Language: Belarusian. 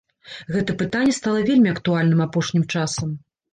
Гэта пытанне стала вельмі актуальным апошнім часам.